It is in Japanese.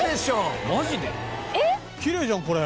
「きれいじゃんこれ」